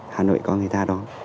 hà nội có người ta đón